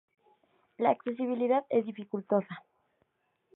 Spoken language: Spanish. La accesibilidad es dificultosa.